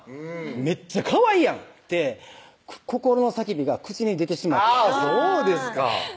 「めっちゃかわいいやん！」って心の叫びが口に出てしまってあぁそうですか